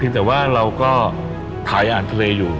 แต่ว่าเราก็ขายอาหารทะเลอยู่